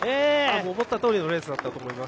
思ったとおりのレースだったと思います。